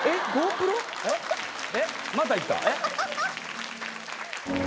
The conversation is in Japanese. ・またいった？